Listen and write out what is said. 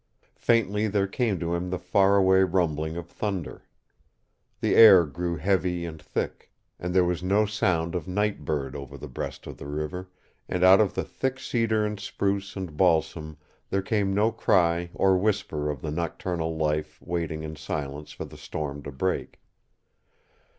Faintly there came to him the far away rumbling of thunder. The air grew heavy and thick, and there was no sound of night bird over the breast of the river, and out of the thick cedar and spruce and balsam there came no cry or whisper of the nocturnal life waiting in silence for the storm to break.